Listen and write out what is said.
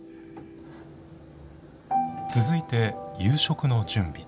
続いて夕食の準備。